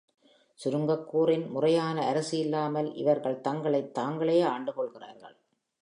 சுருங்கக் கூறின், முறையான அரசு இல்லாமல், இவர்கள் தங்களைத் தாங்களே ஆண்டு கொள்கிறார்கள்.